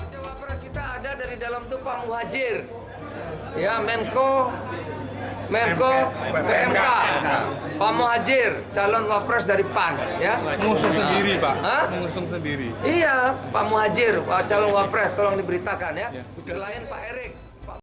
zulhas tidak menjawab pertanyaan wartawan dengan nama muhajir effendi selain menteri bumn erick thohir